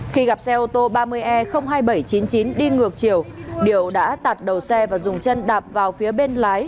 khi gặp xe ô tô ba mươi e hai nghìn bảy trăm chín mươi chín đi ngược chiều điều đã tạt đầu xe và dùng chân đạp vào phía bên lái